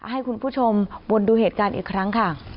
ให้คุณผู้ชมวนดูเหตุการณ์อีกครั้งค่ะ